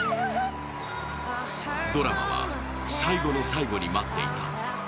ドラマは最後の最後に待っていた。